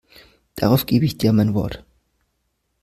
Darauf gebe ich dir mein Wort.